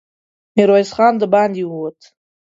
ميرويس خان د باندې ووت.